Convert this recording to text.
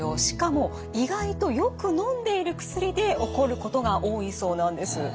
しかも意外とよくのんでいる薬で起こることが多いそうなんです。